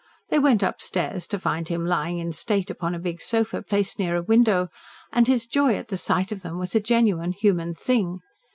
They went upstairs to find him lying in state upon a big sofa placed near a window, and his joy at the sight of them was a genuine, human thing.